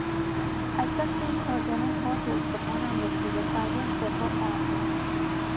از دست این کارگران کارد به استخوانم رسیده، فردا استعفا خواهم داد!